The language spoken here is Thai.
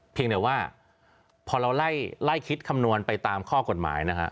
เพียงแต่ว่าพอเราไล่คิดคำนวณไปตามข้อกฎหมายนะฮะ